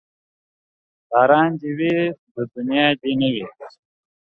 ياران دي وي دونيا دي نه وي